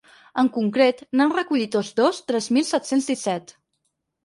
En concret, n’han recollit tots dos tres mil set-cents disset.